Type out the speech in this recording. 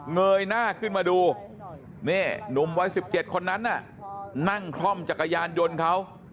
เงยหน้าขึ้นมาดูนี่หนุ่มวัย๑๗คนนั้นน่ะนั่งคล่อมจักรยานยนต์เขา